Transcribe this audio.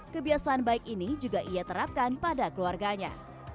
kebiasaan baik ini juga ia terapkan pada keluarganya